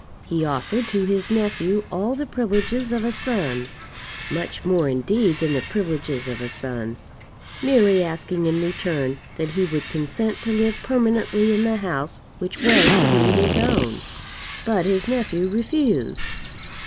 He offered to his nephew all the privileges of a son, much more indeed than the privileges of a son, merely asking in return that he would consent to live permanently in the house which was to be his own. But his nephew refused.